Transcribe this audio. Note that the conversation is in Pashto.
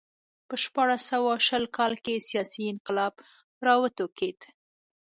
په شپاړس سوه شل کال کې سیاسي انقلاب راوټوکېد.